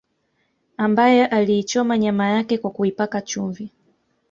Ambaye aliichoma nyama yake kwa kuipaka chumvi